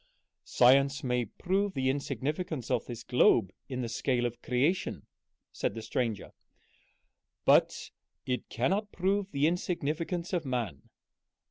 "Science may prove the insignificance of this globe in the scale of creation," said the stranger, "but it cannot prove the insignificance of man.